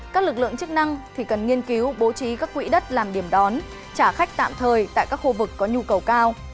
các lực lượng chức năng thì cần nghiên cứu bố trí các quỹ đất làm điểm đón trả khách tạm thời tại các khu vực có nhu cầu cao